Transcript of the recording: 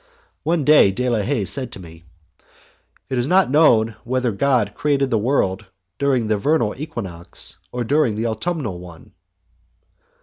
One day, De la Haye said to me: "It is not known whether God created the world during the vernal equinox or during the autumnal one."